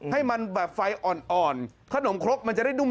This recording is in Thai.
ให้มันแบบไฟอ่อนขนมครกมันจะได้นุ่ม